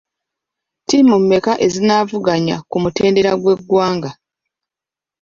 Ttiimu mmeka ezinaavuganya ku mutendera gw'eggwanga?